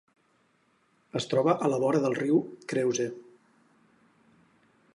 Es troba a la vora del riu Creuse.